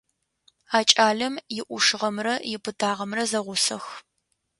А кӏалэм иӏушыгъэрэ ипытагъэрэ зэгъусэх.